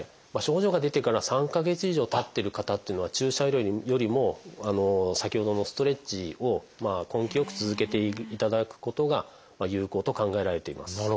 症状が出てから３か月以上たってる方っていうのは注射よりも先ほどのストレッチを根気よく続けていただくことが有効と考えられています。